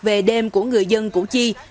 về đêm của người dân củ chi